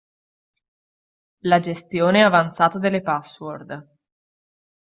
La gestione avanzata delle password.